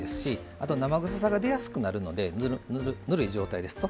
あと生臭さが出やすくなるのでぬるい状態ですと。